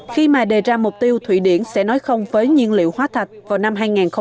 khi mà đề ra mục tiêu thụy điển sẽ nói không với nhiên liệu hóa thạch vào năm hai nghìn ba mươi